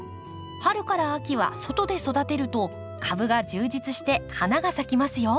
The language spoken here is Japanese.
春から秋は外で育てると株が充実して花が咲きますよ。